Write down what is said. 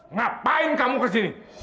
ngapain kamu ke sini